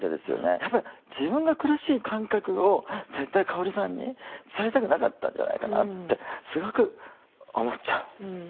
やっぱり自分が苦しい感覚を絶対香さんに伝えたくなかったんじゃないかなってすごく思っちゃう。